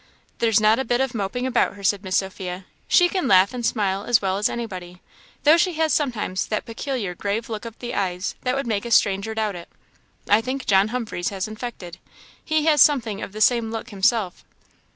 "There's not a bit of moping about her," said Miss Sophia. "She can laugh and smile as well as anybody; though she has sometimes that peculiar grave look of the eyes that would make a stranger doubt it. I think John Humphreys has infected; he has something of the same look himself."